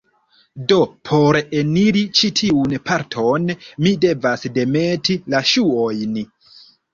Do, por eniri ĉi tiun parton, mi devas demeti la ŝuojn